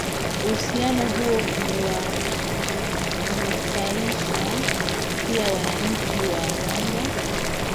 Uhusiano huo umewanufaisha pia wananchi wa Rwanda